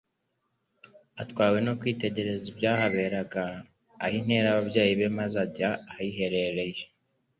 Atwawe no kwitegereza ibyahaberaga, aha intera ababyeyi be maze ajya ahiherereye.